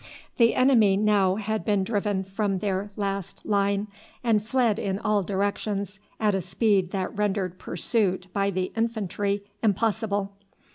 The enemy now had been driven from their last line and fled in all directions, at a speed that rendered pursuit by the infantry impossible.